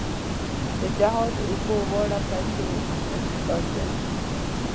د جهاد اوبو راوړو پیسو شمېر لا زیات کړ.